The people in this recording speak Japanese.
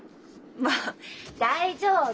もう大丈夫。